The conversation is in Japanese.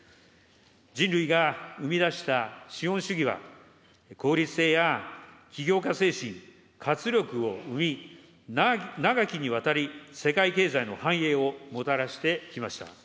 人類が生み出した資本主義は、効率性や起業家精神、活力を生み、長きにわたり世界経済の繁栄をもたらしてきました。